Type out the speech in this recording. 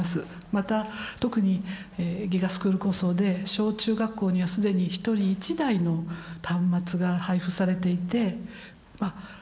また特にＧＩＧＡスクール構想で小中学校には既に１人１台の端末が配付されていてまあ